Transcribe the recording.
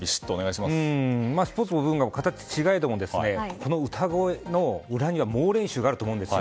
スポーツの分野とは形が違えどこの歌声の裏には猛練習があると思うんです。